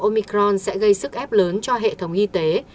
omicron sẽ gây sức ép lớn cho hệ thống y tế